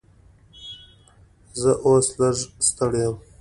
زه اوس لږ ستړی یم.